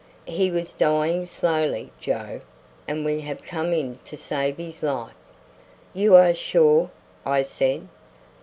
He was dying slowly, Joe, and we have come in time to save his life." "You are sure?" I said.